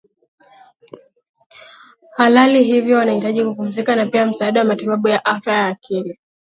halali hivyo wanahitaji kupumzika na pia msaada wa matibabu ya afya ya akili